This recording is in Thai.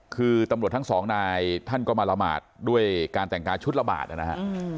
คือตำรวจทั้งสองนายท่านก็มาละหมาดด้วยการแต่งกายชุดละบาทนะฮะ